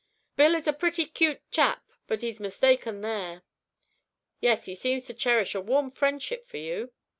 "Bill is a pretty 'cute chap, but he's mistaken there." "Yes; he seemed to cherish a warm friendship for you."